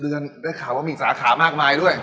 เดือนได้ข่าวว่ามีสาขามากมายด้วย